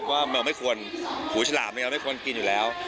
เราไม่ควรหูฉลาบเราไม่ควรกินอยู่แล้ว